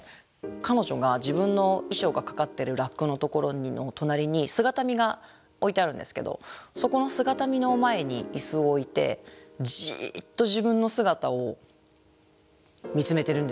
彼女が自分の衣装がかかってるラックのところの隣に姿見が置いてあるんですけどそこの姿見の前に椅子を置いてじっと自分の姿を見つめてるんですよね。